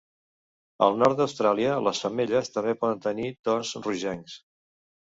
Al nord d'Austràlia, les femelles també poden tenir tons rogencs.